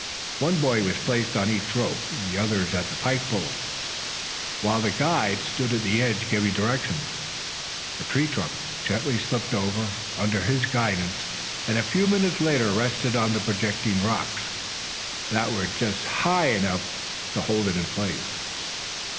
One boy was placed on each rope, the others at the pike poles, while the guide stood at the edge giving directions. The tree trunk gently slipped over under his guidance and a few minutes later rested on the projecting rocks, that were just high enough to hold it in place.